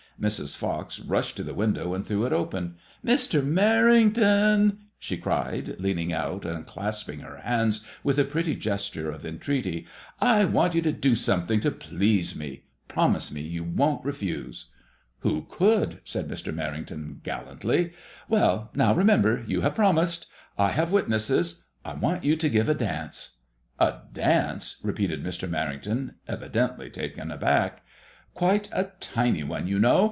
Mrs. Fox rushed to the window and threw it open. " Mr. Merrington," she cried, leaning out and clasping her hands with a pretty gesture of entreaty, " I want you to do something to please me. Promise me you won't refuse." " Who could ?" said Mr. Merrington, gallantly. " Well, now, remember you have promised. I have witnesses. I want you to give a dance." " A dance ?" repeated Mr. Merrington, evidently taken aback. Quite a tiny one, you know.